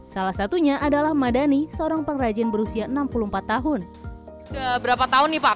salah satunya adalah madani seorang pengrajin berusia enam puluh tahun